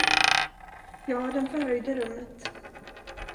Ja, den förhöjde rummet.